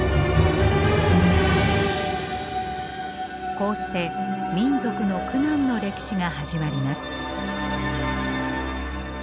こうして民族の苦難の歴史が始まります。